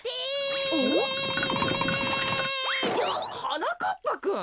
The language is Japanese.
はなかっぱくん。